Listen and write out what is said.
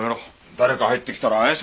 誰か入ってきたら怪しまれ。